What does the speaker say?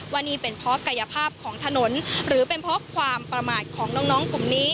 ว่านี่เป็นเพราะกายภาพของถนนหรือเป็นเพราะความประมาทของน้องกลุ่มนี้